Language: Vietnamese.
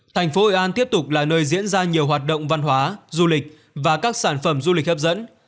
thành phố hội an tiếp tục là nơi diễn ra nhiều hoạt động văn hóa du lịch và các sản phẩm du lịch hấp dẫn